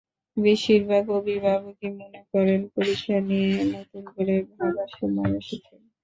বেশির ভাগ অভিভাবকই মনে করেন, পরীক্ষা নিয়ে নতুন করে ভাবার সময় এসেছে।